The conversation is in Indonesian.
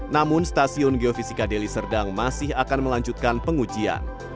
namun stasiun geofisika deliserda masih akan melanjutkan pengujian